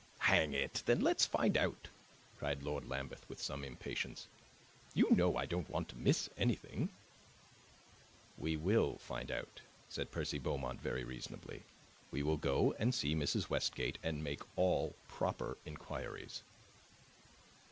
"Hang it, then let's find out!" cried Lord Lambeth with some impatience. "You know I don't want to miss anything." "We will find out," said Percy Beaumont very reasonably. "We will go and see Mrs. Westgate and make all proper inquiries."